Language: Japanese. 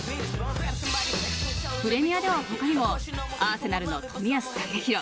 プレミアでは他にもアーセナルの冨安健洋